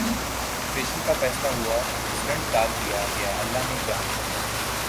operation کا فیصلہ ہوا سٹنٹ ڈال دیا گیا اللہ نے جان